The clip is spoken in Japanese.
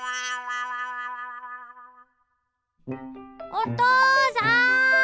おとうさん！